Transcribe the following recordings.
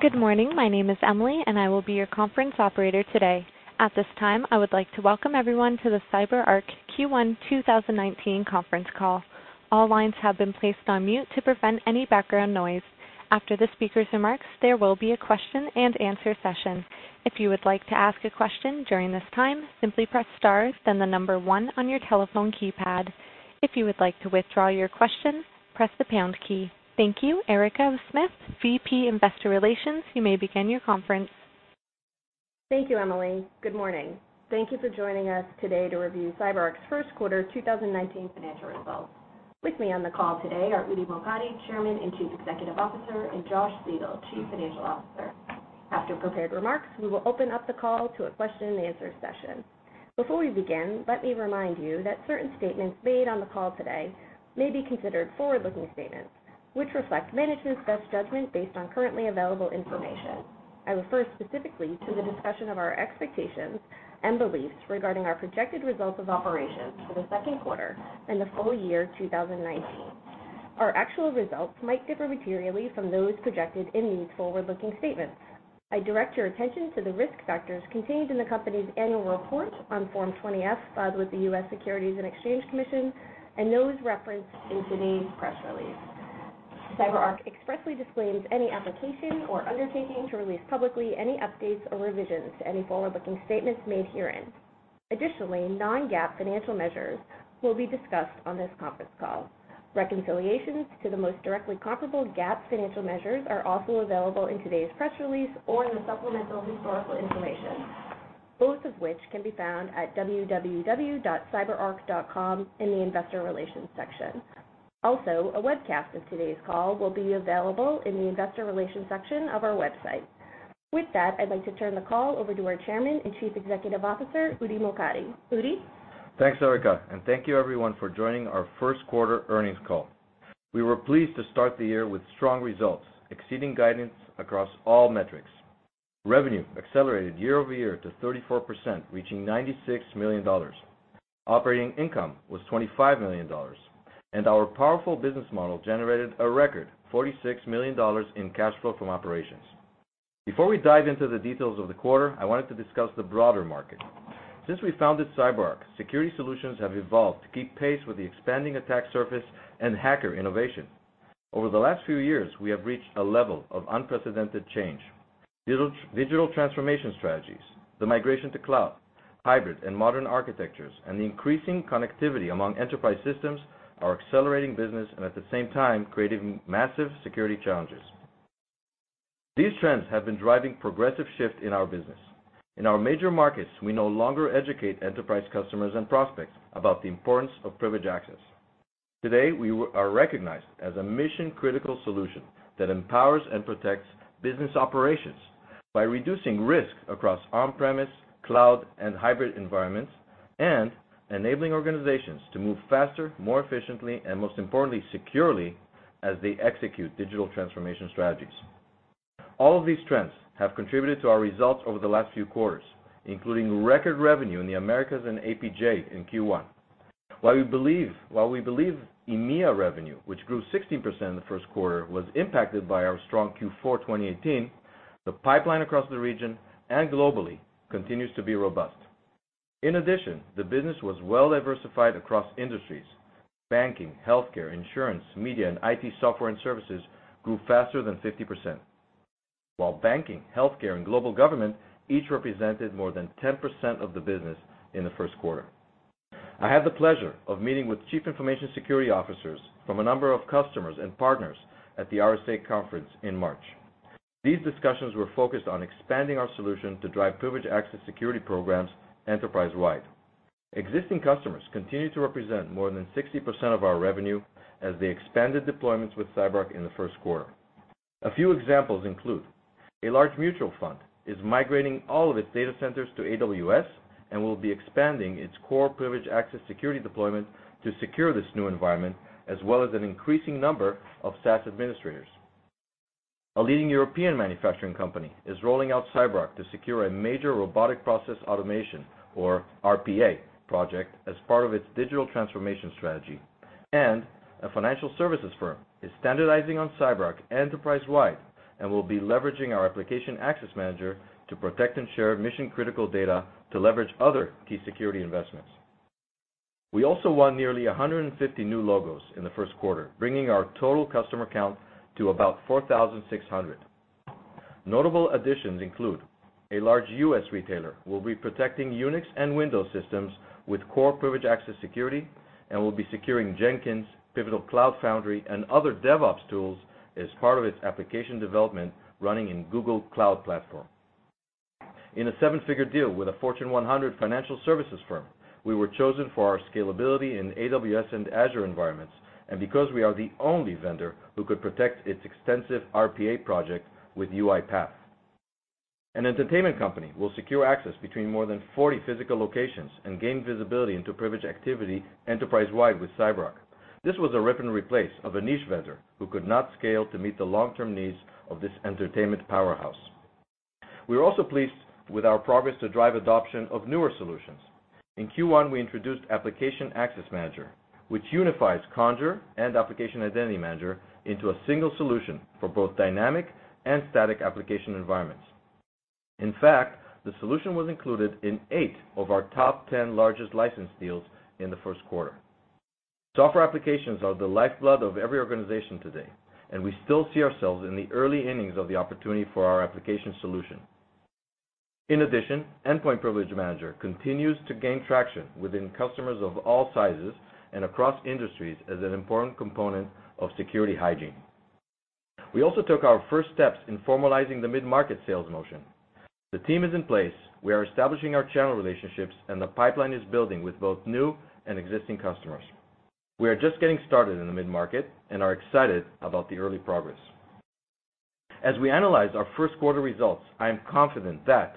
Good morning. My name is Emily. I will be your conference operator today. At this time, I would like to welcome everyone to the CyberArk Q1 2019 conference call. All lines have been placed on mute to prevent any background noise. After the speakers' remarks, there will be a question and answer session. If you would like to ask a question during this time, simply press star, then the number one on your telephone keypad. If you would like to withdraw your question, press the pound key. Thank you. Erica Smith, VP Investor Relations, you may begin your conference. Thank you, Emily. Good morning. Thank you for joining us today to review CyberArk's first quarter 2019 financial results. With me on the call today are Udi Mokady, Chairman and Chief Executive Officer, and Josh Siegel, Chief Financial Officer. After prepared remarks, we will open up the call to a question and answer session. Before we begin, let me remind you that certain statements made on the call today may be considered forward-looking statements, which reflect management's best judgment based on currently available information. I refer specifically to the discussion of our expectations and beliefs regarding our projected results of operations for the second quarter and the full year 2019. Our actual results might differ materially from those projected in these forward-looking statements. I direct your attention to the risk factors contained in the company's annual report on Form 20-F filed with the U.S. Securities and Exchange Commission and those referenced in today's press release. CyberArk expressly disclaims any application or undertaking to release publicly any updates or revisions to any forward-looking statements made herein. Non-GAAP financial measures will be discussed on this conference call. Reconciliations to the most directly comparable GAAP financial measures are also available in today's press release or in the supplemental historical information, both of which can be found at cyberark.com in the investor relations section. A webcast of today's call will be available in the investor relations section of our website. With that, I'd like to turn the call over to our Chairman and Chief Executive Officer, Udi Mokady. Udi? Thanks, Erica. Thank you everyone for joining our first quarter earnings call. We were pleased to start the year with strong results, exceeding guidance across all metrics. Revenue accelerated year-over-year to 34%, reaching $96 million. Operating income was $25 million. Our powerful business model generated a record $46 million in cash flow from operations. Before we dive into the details of the quarter, I wanted to discuss the broader market. Since we founded CyberArk, security solutions have evolved to keep pace with the expanding attack surface and hacker innovation. Over the last few years, we have reached a level of unprecedented change. Digital transformation strategies, the migration to cloud, hybrid and modern architectures, and the increasing connectivity among enterprise systems are accelerating business and at the same time creating massive security challenges. These trends have been driving progressive shift in our business. In our major markets, we no longer educate enterprise customers and prospects about the importance of privileged access. Today, we are recognized as a mission-critical solution that empowers and protects business operations by reducing risk across on-premise, cloud, and hybrid environments, and enabling organizations to move faster, more efficiently, and most importantly, securely as they execute digital transformation strategies. All of these trends have contributed to our results over the last few quarters, including record revenue in the Americas and APJ in Q1. While we believe EMEA revenue, which grew 16% in the first quarter, was impacted by our strong Q4 2018, the pipeline across the region and globally continues to be robust. In addition, the business was well diversified across industries. Banking, healthcare, insurance, media, and IT software and services grew faster than 50%, while banking, healthcare, and global government each represented more than 10% of the business in the first quarter. I had the pleasure of meeting with chief information security officers from a number of customers and partners at the RSA Conference in March. These discussions were focused on expanding our solution to drive privileged access security programs enterprise-wide. Existing customers continue to represent more than 60% of our revenue as they expanded deployments with CyberArk in the first quarter. A few examples include a large mutual fund is migrating all of its data centers to AWS and will be expanding its core privileged access security deployment to secure this new environment, as well as an increasing number of SaaS administrators. A leading European manufacturing company is rolling out CyberArk to secure a major robotic process automation, or RPA project, as part of its digital transformation strategy. A financial services firm is standardizing on CyberArk enterprise-wide and will be leveraging our Application Access Manager to protect and share mission-critical data to leverage other key security investments. We also won nearly 150 new logos in the first quarter, bringing our total customer count to about 4,600. Notable additions include a large U.S. retailer will be protecting Unix and Windows systems with core privileged access security and will be securing Jenkins, Pivotal Cloud Foundry, and other DevOps tools as part of its application development running in Google Cloud Platform. In a seven-figure deal with a Fortune 100 financial services firm, we were chosen for our scalability in AWS and Azure environments and because we are the only vendor who could protect its extensive RPA project with UiPath. An entertainment company will secure access between more than 40 physical locations and gain visibility into privileged activity enterprise-wide with CyberArk. This was a rip and replace of a niche vendor who could not scale to meet the long-term needs of this entertainment powerhouse. We're also pleased with our progress to drive adoption of newer solutions. In Q1, we introduced Application Access Manager, which unifies Conjur and Application Identity Manager into a single solution for both dynamic and static application environments. In fact, the solution was included in eight of our top 10 largest license deals in the first quarter. Software applications are the lifeblood of every organization today, and we still see ourselves in the early innings of the opportunity for our application solution. In addition, Endpoint Privilege Manager continues to gain traction within customers of all sizes and across industries as an important component of security hygiene. We also took our first steps in formalizing the mid-market sales motion. The team is in place. We are establishing our channel relationships, and the pipeline is building with both new and existing customers. We are just getting started in the mid-market and are excited about the early progress. As we analyze our first quarter results, I am confident that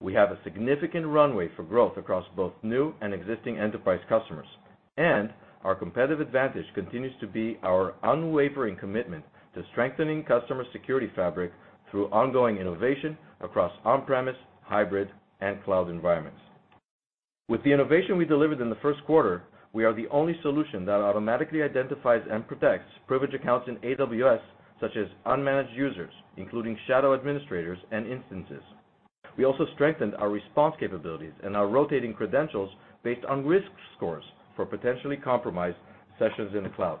we have a significant runway for growth across both new and existing enterprise customers, and our competitive advantage continues to be our unwavering commitment to strengthening customer security fabric through ongoing innovation across on-premise, hybrid, and cloud environments. With the innovation we delivered in the first quarter, we are the only solution that automatically identifies and protects privilege accounts in AWS, such as unmanaged users, including shadow administrators and instances. We also strengthened our response capabilities and our rotating credentials based on risk scores for potentially compromised sessions in the cloud.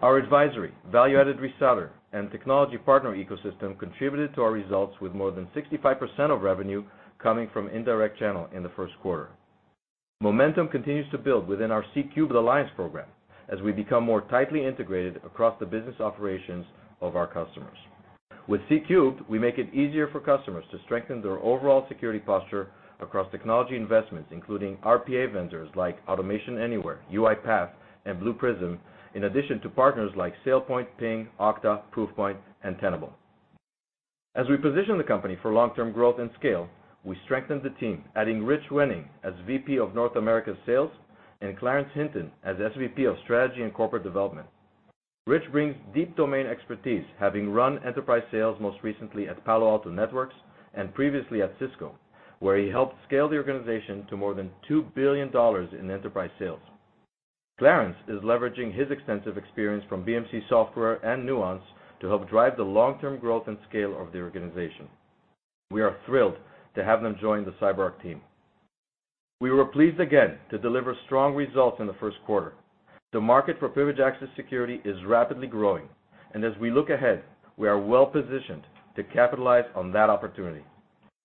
Our advisory, value-added reseller, and technology partner ecosystem contributed to our results, with more than 65% of revenue coming from indirect channel in the first quarter. Momentum continues to build within our C³ Alliance program as we become more tightly integrated across the business operations of our customers. With C³, we make it easier for customers to strengthen their overall security posture across technology investments, including RPA vendors like Automation Anywhere, UiPath, and Blue Prism, in addition to partners like SailPoint, Ping, Okta, Proofpoint, and Tenable. As we position the company for long-term growth and scale, we strengthen the team, adding Rich Wenning as VP of North America Sales and Clarence Hinton as SVP of Strategy and Corporate Development. Rich brings deep domain expertise, having run enterprise sales most recently at Palo Alto Networks and previously at Cisco, where he helped scale the organization to more than $2 billion in enterprise sales. Clarence is leveraging his extensive experience from BMC Software and Nuance to help drive the long-term growth and scale of the organization. We are thrilled to have them join the CyberArk team. We were pleased again to deliver strong results in the first quarter. The market for Privileged Access Security is rapidly growing, and as we look ahead, we are well-positioned to capitalize on that opportunity.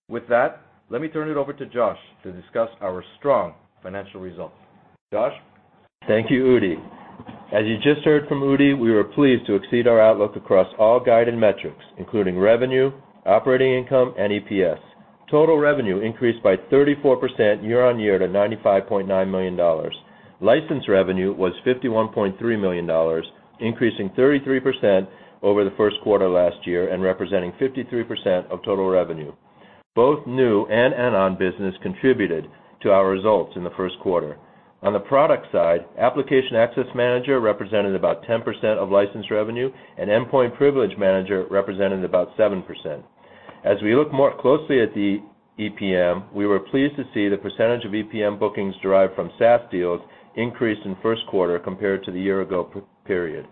With that, let me turn it over to Josh to discuss our strong financial results. Josh? Thank you, Udi. As you just heard from Udi, we were pleased to exceed our outlook across all guided metrics, including revenue, operating income, and EPS. Total revenue increased by 34% year-on-year to $95.9 million. License revenue was $51.3 million, increasing 33% over the first quarter last year and representing 53% of total revenue. Both new and add-on business contributed to our results in the first quarter. On the product side, Application Access Manager represented about 10% of license revenue, and Endpoint Privilege Manager represented about 7%. As we look more closely at the EPM, we were pleased to see the percentage of EPM bookings derived from SaaS deals increase in the first quarter compared to the year-ago period.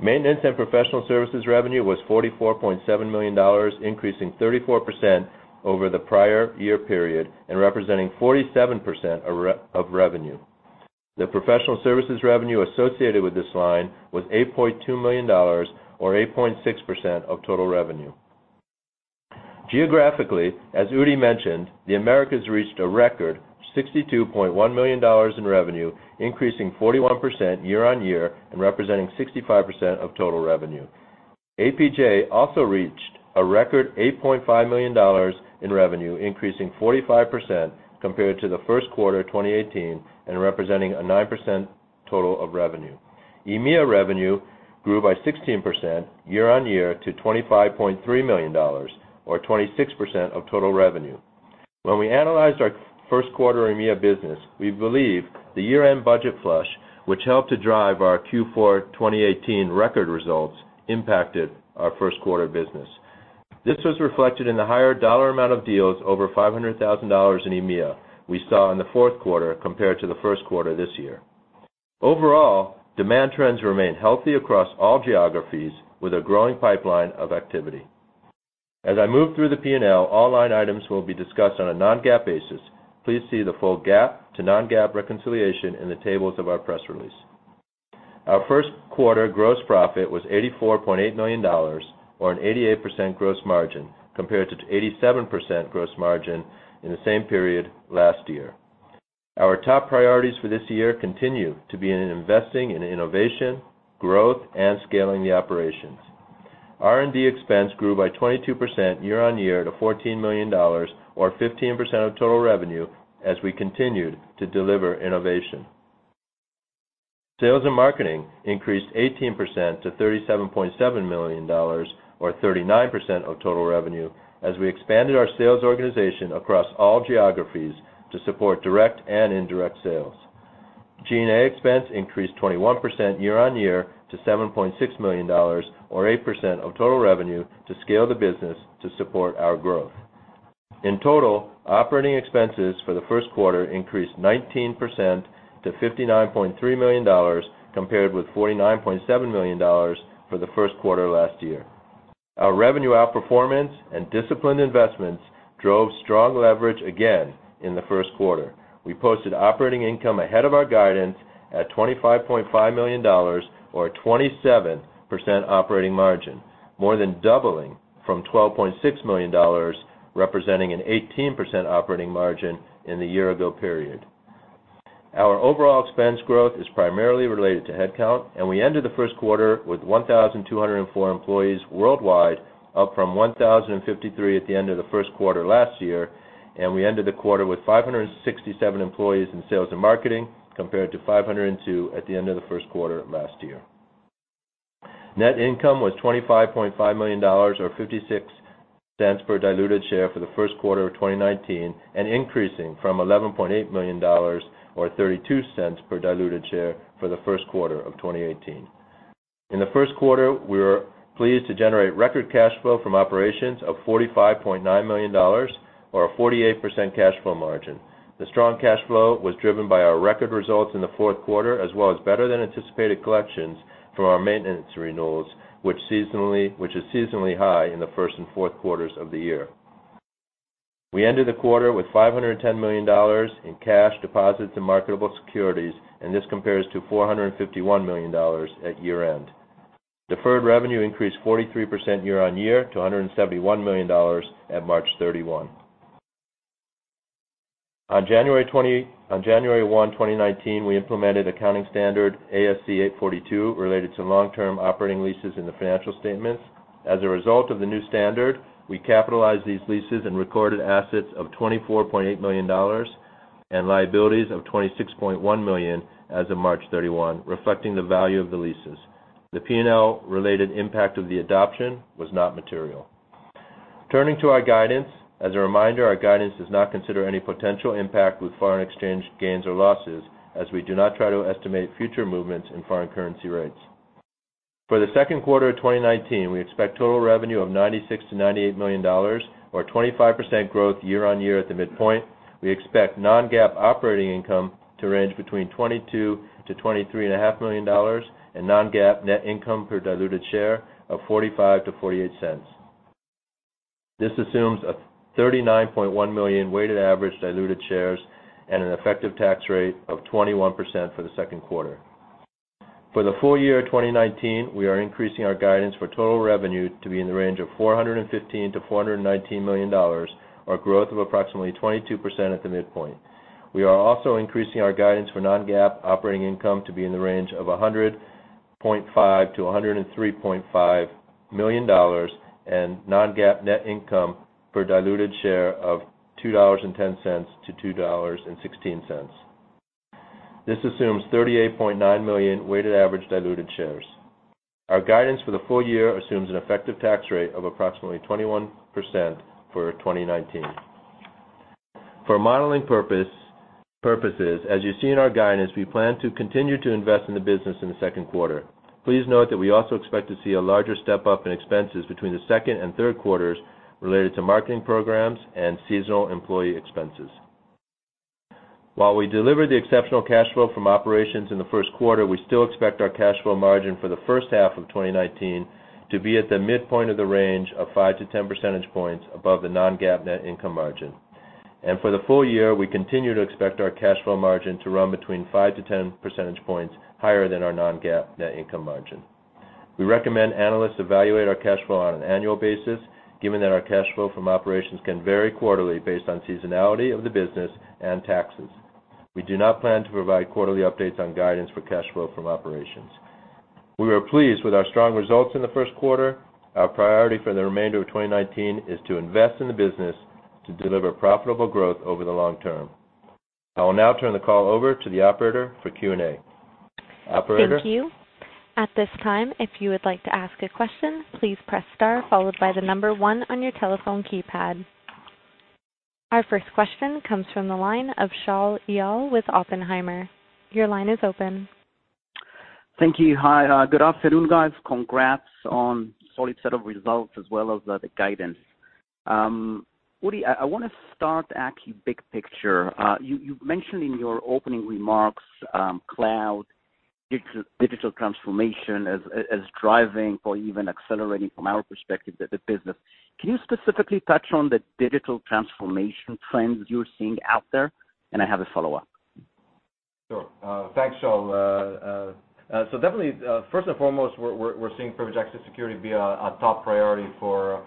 Maintenance and professional services revenue was $44.7 million, increasing 34% over the prior year period and representing 47% of revenue. The professional services revenue associated with this line was $8.2 million, or 8.6% of total revenue. Geographically, as Udi mentioned, the Americas reached a record $62.1 million in revenue, increasing 41% year-on-year and representing 65% of total revenue. APJ also reached a record $8.5 million in revenue, increasing 45% compared to the first quarter of 2018 and representing a 9% total of revenue. EMEA revenue grew by 16% year-on-year to $25.3 million, or 26% of total revenue. When we analyzed our first quarter EMEA business, we believe the year-end budget flush, which helped to drive our Q4 2018 record results, impacted our first quarter business. This was reflected in the higher dollar amount of deals over $500,000 in EMEA we saw in the fourth quarter compared to the first quarter this year. Overall, demand trends remain healthy across all geographies with a growing pipeline of activity. As I move through the P&L, all line items will be discussed on a non-GAAP basis. Please see the full GAAP to non-GAAP reconciliation in the tables of our press release. Our first quarter gross profit was $84.8 million, or an 88% gross margin, compared to 87% gross margin in the same period last year. Our top priorities for this year continue to be in investing in innovation, growth, and scaling the operations. R&D expense grew by 22% year-on-year to $14 million, or 15% of total revenue, as we continued to deliver innovation. Sales and marketing increased 18% to $37.7 million, or 39% of total revenue, as we expanded our sales organization across all geographies to support direct and indirect sales. G&A expense increased 21% year-on-year to $7.6 million, or 8% of total revenue to scale the business to support our growth. In total, operating expenses for the first quarter increased 19% to $59.3 million compared with $49.7 million for the first quarter last year. Our revenue outperformance and disciplined investments drove strong leverage again in the first quarter. We posted operating income ahead of our guidance at $25.5 million, or a 27% operating margin, more than doubling from $12.6 million, representing an 18% operating margin in the year ago period. Our overall expense growth is primarily related to headcount, and we ended the first quarter with 1,204 employees worldwide, up from 1,053 at the end of the first quarter last year, and we ended the quarter with 567 employees in sales and marketing, compared to 502 at the end of the first quarter last year. Net income was $25.5 million, or $0.56 per diluted share for the first quarter of 2019, increasing from $11.8 million or $0.32 per diluted share for the first quarter of 2018. In the first quarter, we were pleased to generate record cash flow from operations of $45.9 million, or a 48% cash flow margin. The strong cash flow was driven by our record results in the fourth quarter, as well as better than anticipated collections from our maintenance renewals, which is seasonally high in the first and fourth quarters of the year. We ended the quarter with $510 million in cash deposits and marketable securities. This compares to $451 million at year-end. Deferred revenue increased 43% year-on-year to $171 million at March 31. On January 1, 2019, we implemented accounting standard ASC 842 related to long-term operating leases in the financial statements. As a result of the new standard, we capitalized these leases and recorded assets of $24.8 million and liabilities of $26.1 million as of March 31, reflecting the value of the leases. The P&L related impact of the adoption was not material. Turning to our guidance. As a reminder, our guidance does not consider any potential impact with foreign exchange gains or losses, as we do not try to estimate future movements in foreign currency rates. For the second quarter of 2019, we expect total revenue of $96 million-$98 million, or 25% growth year-on-year at the midpoint. We expect non-GAAP operating income to range between $22 million-$23.5 million, and non-GAAP net income per diluted share of $0.45-$0.48. This assumes 39.1 million weighted average diluted shares and an effective tax rate of 21% for the second quarter. For the full year 2019, we are increasing our guidance for total revenue to be in the range of $415 million-$419 million, or growth of approximately 22% at the midpoint. We are also increasing our guidance for non-GAAP operating income to be in the range of $100.5 million-$103.5 million, and non-GAAP net income per diluted share of $2.10-$2.16. This assumes 38.9 million weighted average diluted shares. Our guidance for the full year assumes an effective tax rate of approximately 21% for 2019. For modeling purposes, as you see in our guidance, we plan to continue to invest in the business in the second quarter. Please note that we also expect to see a larger step-up in expenses between the second and third quarters related to marketing programs and seasonal employee expenses. While we deliver the exceptional cash flow from operations in the first quarter, we still expect our cash flow margin for the first half of 2019 to be at the midpoint of the range of 5-10 percentage points above the non-GAAP net income margin. For the full year, we continue to expect our cash flow margin to run between 5-10 percentage points higher than our non-GAAP net income margin. We recommend analysts evaluate our cash flow on an annual basis, given that our cash flow from operations can vary quarterly based on seasonality of the business and taxes. We do not plan to provide quarterly updates on guidance for cash flow from operations. We were pleased with our strong results in the first quarter. Our priority for the remainder of 2019 is to invest in the business to deliver profitable growth over the long term. I will now turn the call over to the operator for Q&A. Operator? Thank you. At this time, if you would like to ask a question, please press star followed by the number one on your telephone keypad. Our first question comes from the line of Shaul Eyal with Oppenheimer. Your line is open. Thank you. Hi, good afternoon, guys. Congrats on solid set of results as well as the guidance. Udi, I want to start actually big picture. You've mentioned in your opening remarks, cloud, digital transformation as driving or even accelerating from our perspective the business. Can you specifically touch on the digital transformation trends you're seeing out there? I have a follow-up. Sure. Thanks, Shaul. Definitely, first and foremost, we're seeing privileged access security be a top priority for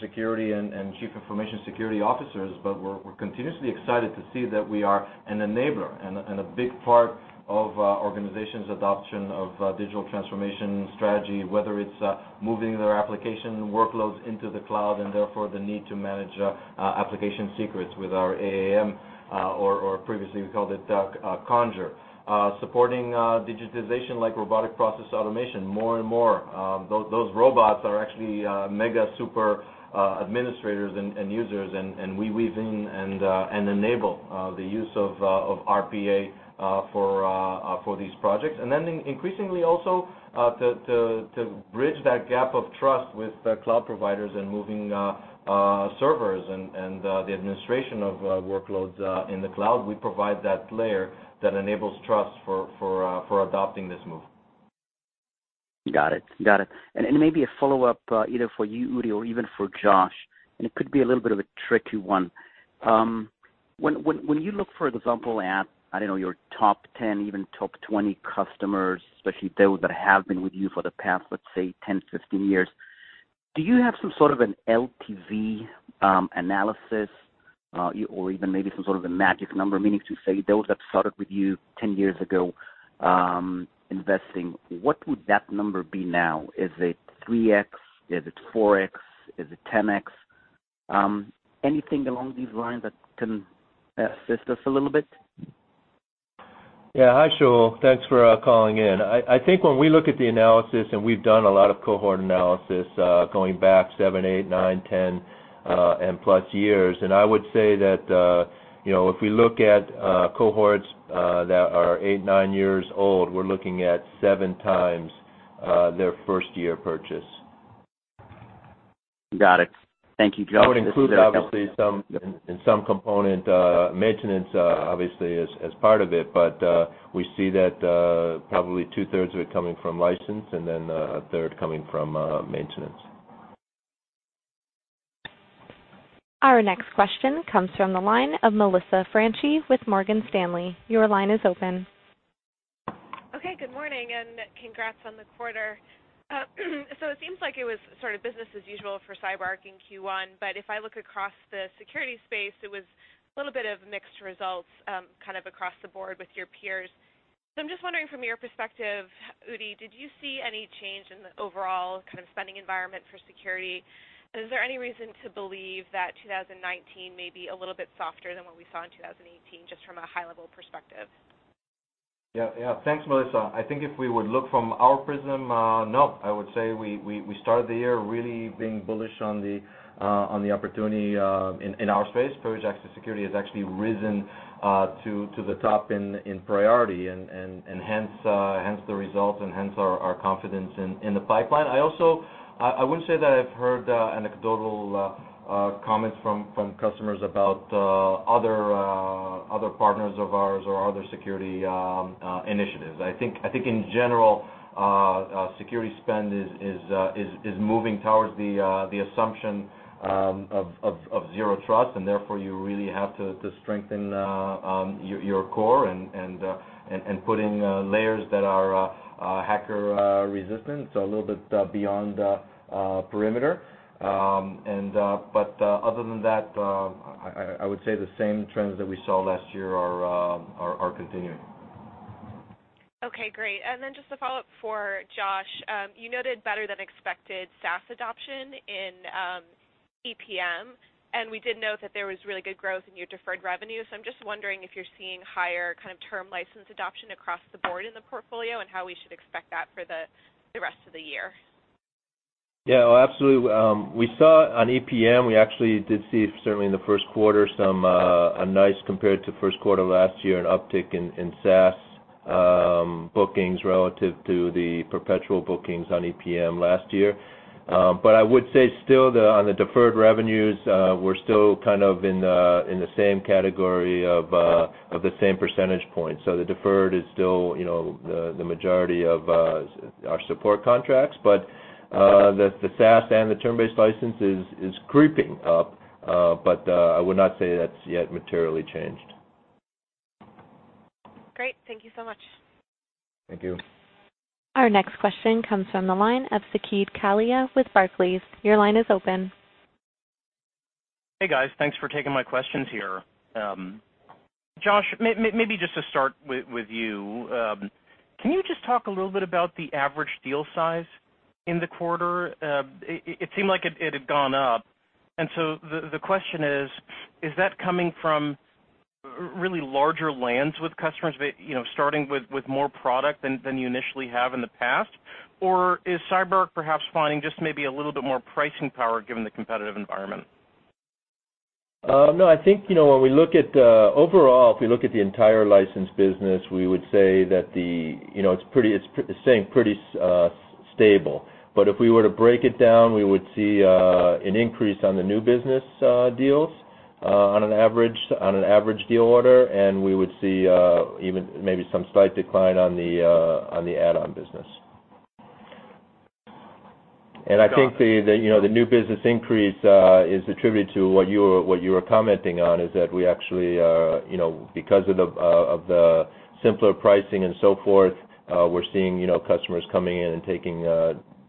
security and chief information security officers. We're continuously excited to see that we are an enabler and a big part of organizations' adoption of digital transformation strategy, whether it's moving their application workloads into the cloud, and therefore the need to manage application secrets with our AAM, or previously we called it Conjur. Supporting digitization like robotic process automation more and more. Those robots are actually mega super administrators and users, and we weave in and enable the use of RPA for these projects. Then increasingly also to bridge that gap of trust with cloud providers and moving servers and the administration of workloads in the cloud, we provide that layer that enables trust for adopting this move. Got it. Maybe a follow-up, either for you, Udi, or even for Josh, and it could be a little bit of a tricky one. When you look, for example, at, I don't know, your top 10, even top 20 customers, especially those that have been with you for the past let's say 10, 15 years, do you have some sort of an LTV analysis, or even maybe some sort of a magic number, meaning to say, those that started with you 10 years ago investing, what would that number be now? Is it 3x? Is it 4x? Is it 10x? Anything along these lines that can assist us a little bit? Yeah. Hi, Shaul. Thanks for calling in. I think when we look at the analysis, we've done a lot of cohort analysis, going back seven, eight, nine, 10+ years, and I would say that if we look at cohorts that are eight, nine years old, we're looking at seven times their first-year purchase. Got it. Thank you, Josh. This is very helpful. That would include obviously some component maintenance obviously as part of it. We see that probably two-thirds of it coming from license and then a third coming from maintenance. Our next question comes from the line of Melissa Franchi with Morgan Stanley. Your line is open. Okay, good morning, and congrats on the quarter. It seems like it was sort of business as usual for CyberArk in Q1, but if I look across the security space, it was a little bit of mixed results, kind of across the board with your peers. I'm just wondering from your perspective, Udi, did you see any change in the overall kind of spending environment for security? Is there any reason to believe that 2019 may be a little bit softer than what we saw in 2018, just from a high-level perspective? Yeah. Thanks, Melissa. I think if we would look from our prism, no. I would say we started the year really being bullish on the opportunity in our space. Privilege access security has actually risen to the top in priority and hence the results and hence our confidence in the pipeline. I would say that I've heard anecdotal comments from customers about other partners of ours or other security initiatives. I think in general, security spend is moving towards the assumption of zero trust, and therefore you really have to strengthen your core and put in layers that are hacker-resistant, so a little bit beyond perimeter. Other than that, I would say the same trends that we saw last year are continuing. Okay, great. Just a follow-up for Josh. You noted better-than-expected SaaS adoption in EPM, and we did note that there was really good growth in your deferred revenue. I'm just wondering if you're seeing higher term license adoption across the board in the portfolio, and how we should expect that for the rest of the year. Yeah. Absolutely. We saw on EPM, we actually did see certainly in the first quarter, a nice compared to first quarter last year, an uptick in SaaS bookings relative to the perpetual bookings on EPM last year. I would say still on the deferred revenues, we're still kind of in the same category of the same percentage point. The deferred is still the majority of our support contracts. The SaaS and the term-based license is creeping up. I would not say that's yet materially changed. Great. Thank you so much. Thank you. Our next question comes from the line of Saket Kalia with Barclays. Your line is open. Hey, guys. Thanks for taking my questions here. Josh, maybe just to start with you. Can you just talk a little bit about the average deal size in the quarter? It seemed like it had gone up. The question is: Is that coming from really larger lands with customers, starting with more product than you initially have in the past, or is CyberArk perhaps finding just maybe a little bit more pricing power given the competitive environment? No, I think overall, if we look at the entire license business, we would say that it's staying pretty stable. If we were to break it down, we would see an increase on the new business deals, on an average deal order, and we would see maybe some slight decline on the add-on business. Got it. I think the new business increase is attributed to what you were commenting on, is that we actually, because of the simpler pricing and so forth, we're seeing customers coming in and taking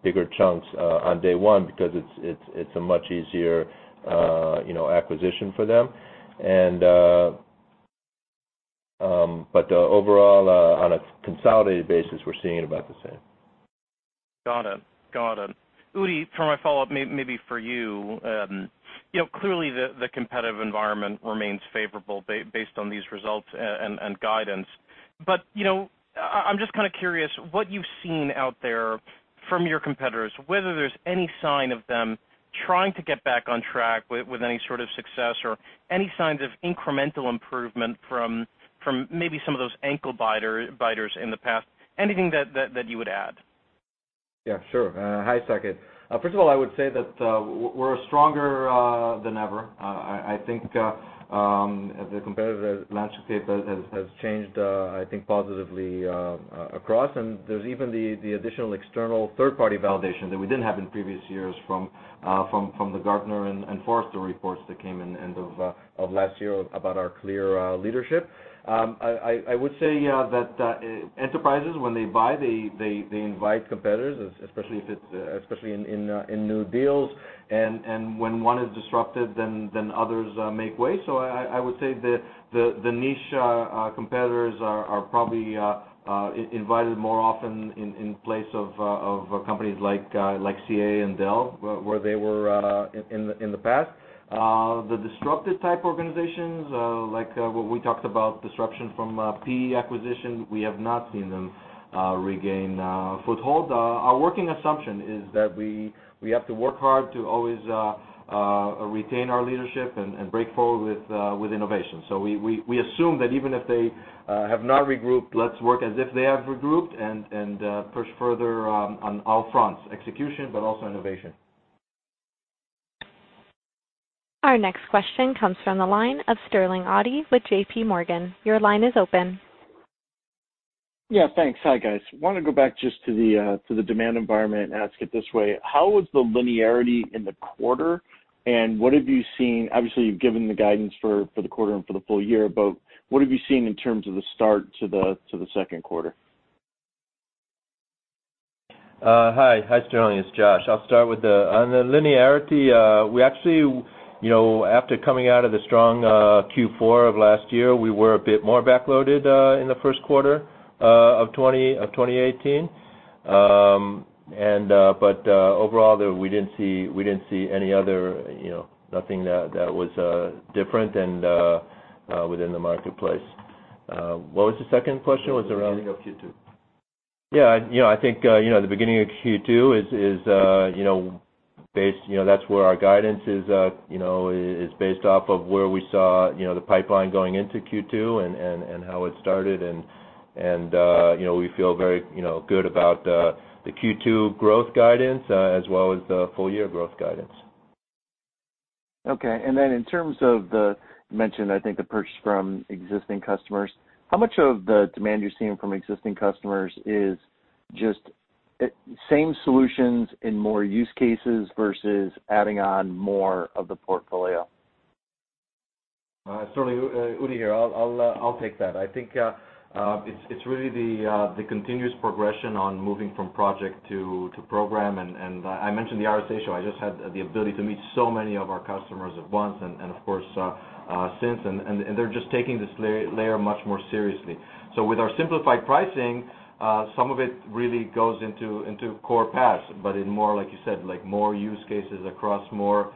bigger chunks on day one because it's a much easier acquisition for them. Overall, on a consolidated basis, we're seeing it about the same. Got it. Udi, for my follow-up, maybe for you. Clearly the competitive environment remains favorable based on these results and guidance. I'm just kind of curious what you've seen out there from your competitors, whether there's any sign of them trying to get back on track with any sort of success or any signs of incremental improvement from maybe some of those ankle biters in the past. Anything that you would add? Yeah, sure. Hi, Saket. First of all, I would say that we're stronger than ever. I think the competitive landscape has changed, I think positively across, and there's even the additional external third-party validation that we didn't have in previous years from the Gartner and Forrester reports that came in end of last year about our clear leadership. I would say that enterprises, when they buy, they invite competitors, especially in new deals, and when one is disrupted, then others make way. I would say the niche competitors are probably invited more often in place of companies like CA and Dell, where they were in the past. The disruptive type organizations, like what we talked about, disruption from PE acquisition, we have not seen them regain foothold. Our working assumption is that we have to work hard to always retain our leadership and break forward with innovation. We assume that even if they have not regrouped, let's work as if they have regrouped and push further on all fronts, execution, but also innovation. Our next question comes from the line of Sterling Auty with JP Morgan. Your line is open. Yeah, thanks. Hi, guys. I want to go back just to the demand environment and ask it this way: how was the linearity in the quarter, and what have you seen? Obviously, you've given the guidance for the quarter and for the full year, but what have you seen in terms of the start to the second quarter? Hi, Sterling, it's Josh. On the linearity, we actually, after coming out of the strong Q4 of last year, we were a bit more back-loaded in the first quarter of 2018. Overall, we didn't see anything that was different within the marketplace. What was the second question? The beginning of Q2. I think, the beginning of Q2 that's where our guidance is based off of where we saw the pipeline going into Q2 and how it started, we feel very good about the Q2 growth guidance as well as the full-year growth guidance. Then in terms of the, you mentioned, I think, the purchase from existing customers, how much of the demand you're seeing from existing customers is just same solutions in more use cases versus adding on more of the portfolio? Sterling, Udi here. I'll take that. I think it's really the continuous progression on moving from project to program. I mentioned the RSA show. I just had the ability to meet so many of our customers at once and, of course, since, they're just taking this layer much more seriously. With our simplified pricing, some of it really goes into Core PAS, but in more like you said, more use cases across more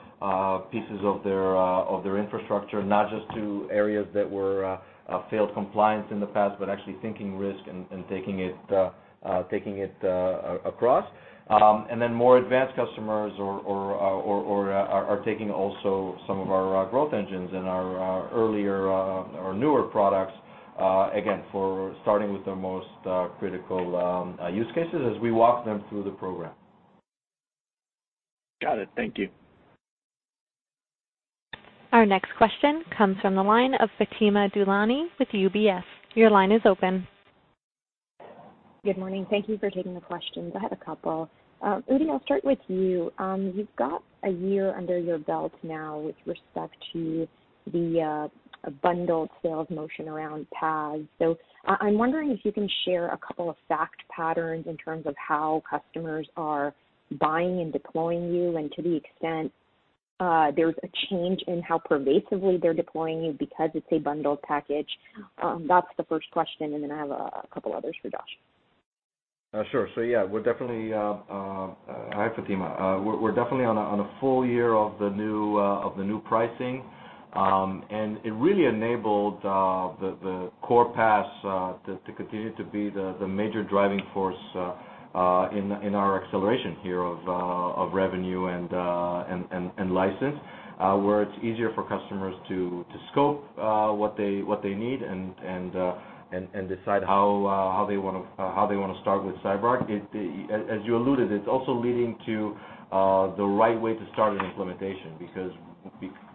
pieces of their infrastructure, not just to areas that were failed compliance in the past, but actually thinking risk and taking it across. More advanced customers are taking also some of our growth engines and our earlier or newer products, again, for starting with their most critical use cases as we walk them through the program. Got it. Thank you. Our next question comes from the line of Fatima Boolani with UBS. Your line is open. Good morning. Thank you for taking the questions. I have a couple. Udi, I'll start with you. You've got a year under your belt now with respect to the bundled sales motion around PAS. I'm wondering if you can share a couple of fact patterns in terms of how customers are buying and deploying you, and to the extent there's a change in how pervasively they're deploying you because it's a bundled package. That's the first question, and then I have a couple others for Josh. Sure. Yeah. Hi, Fatima. We're definitely on a full year of the new pricing. It really enabled the Core PAS to continue to be the major driving force in our acceleration here of revenue and license, where it's easier for customers to scope what they need and decide how they want to start with CyberArk. As you alluded, it's also leading to the right way to start an implementation,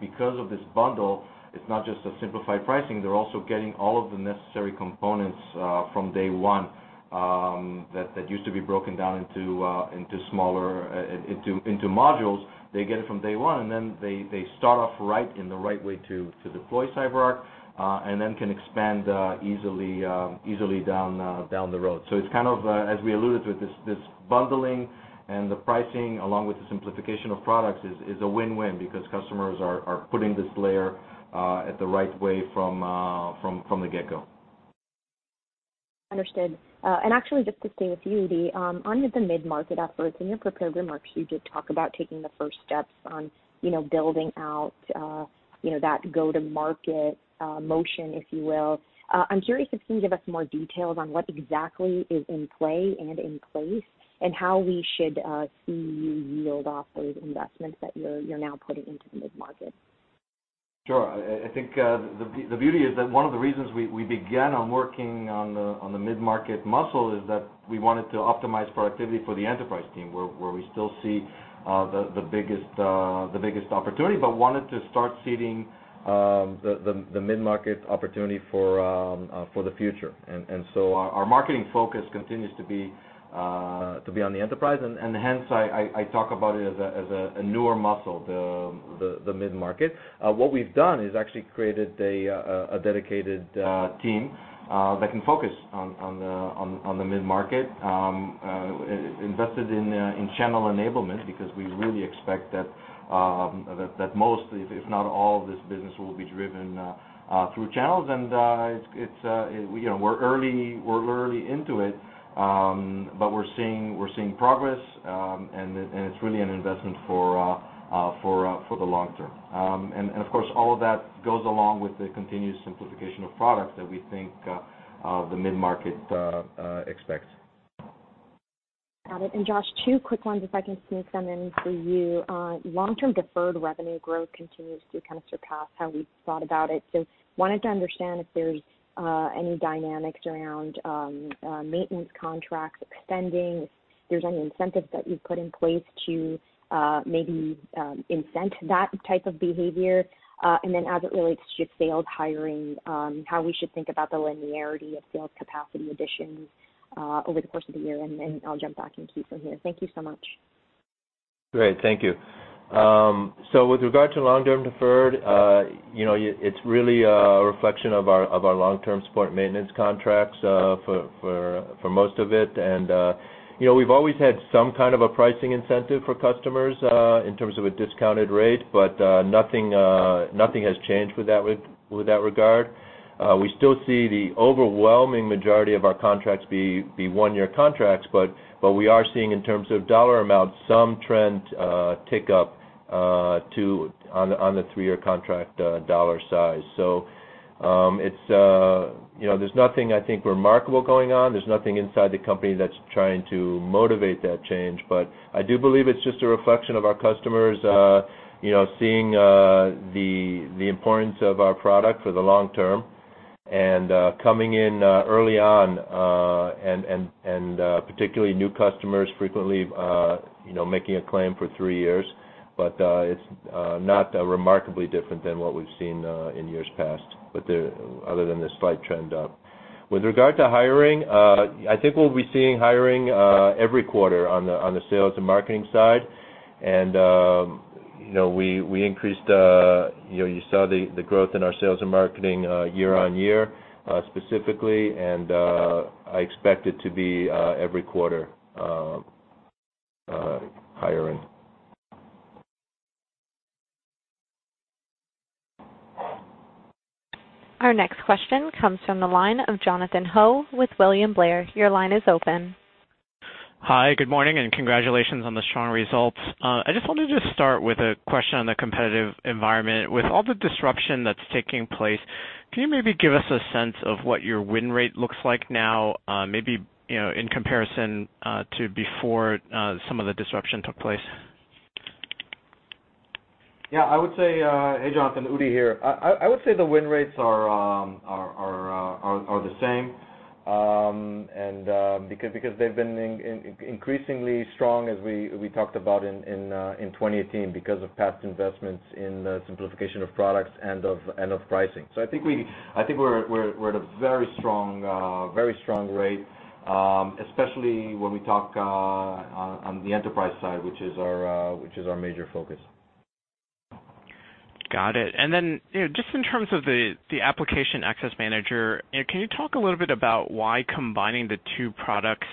because of this bundle, it's not just a simplified pricing, they're also getting all of the necessary components from day one that used to be broken down into modules. They get it from day one, they start off in the right way to deploy CyberArk, and then can expand easily down the road. It's, as we alluded to, this bundling and the pricing along with the simplification of products is a win-win because customers are putting this layer at the right way from the get-go. Understood. Actually just to stay with you, Udi, on the mid-market efforts, in your prepared remarks, you did talk about taking the first steps on building out that go-to-market motion, if you will. I'm curious if you can give us more details on what exactly is in play and in place, and how we should see you yield off those investments that you're now putting into the mid-market. Sure. I think the beauty is that one of the reasons we began on working on the mid-market muscle is that we wanted to optimize productivity for the enterprise team, where we still see the biggest opportunity, but wanted to start seeding the mid-market opportunity for the future. Our marketing focus continues to be on the enterprise, and hence I talk about it as a newer muscle, the mid-market. What we've done is actually created a dedicated team that can focus on the mid-market, invested in channel enablement, because we really expect that most, if not all of this business will be driven through channels. We're early into it, but we're seeing progress, and it's really an investment for the long term. Of course, all of that goes along with the continued simplification of products that we think the mid-market expects. Got it. Josh, two quick ones, if I can sneak them in for you. Long-term deferred revenue growth continues to kind of surpass how we thought about it. Wanted to understand if there's any dynamics around maintenance contracts extending, if there's any incentives that you've put in place to maybe incent that type of behavior. As it relates to sales hiring, how we should think about the linearity of sales capacity additions over the course of the year, and then I'll jump back in queue from here. Thank you so much. Great. Thank you. With regard to long-term deferred, it's really a reflection of our long-term support maintenance contracts for most of it. We've always had some kind of a pricing incentive for customers in terms of a discounted rate, but nothing has changed with that regard. We still see the overwhelming majority of our contracts be one-year contracts, but we are seeing, in terms of dollar amounts, some trend tick up on the three-year contract dollar size. There's nothing, I think, remarkable going on. There's nothing inside the company that's trying to motivate that change. I do believe it's just a reflection of our customers seeing the importance of our product for the long term and coming in early on, and particularly new customers frequently making a claim for three years. It's not remarkably different than what we've seen in years past, other than the slight trend up. With regard to hiring, I think we'll be seeing hiring every quarter on the sales and marketing side. You saw the growth in our sales and marketing year-on-year specifically, and I expect it to be every quarter hiring. Our next question comes from the line of Jonathan Ho with William Blair. Your line is open. Hi, good morning, congratulations on the strong results. I just wanted to start with a question on the competitive environment. With all the disruption that's taking place, can you maybe give us a sense of what your win rate looks like now, maybe in comparison to before some of the disruption took place? Yeah. Hey, Jonathan. Udi here. I would say the win rates are the same, because they've been increasingly strong as we talked about in 2018 because of past investments in simplification of products and of pricing. I think we're at a very strong rate, especially when we talk on the enterprise side, which is our major focus. Got it. Just in terms of the Application Access Manager, can you talk a little bit about why combining the two products